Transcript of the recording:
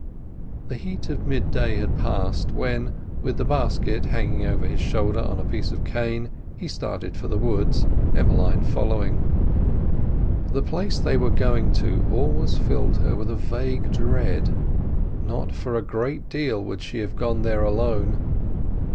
The heat of midday had passed, when, with the basket hanging over his shoulder on a piece of cane, he started for the woods, Emmeline following. The place they were going to always filled her with a vague dread; not for a great deal would she have gone there alone.